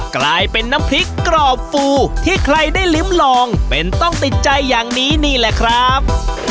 กลายเป็นน้ำพริกกรอบฟูที่ใครได้ลิ้มลองเป็นต้องติดใจอย่างนี้นี่แหละครับ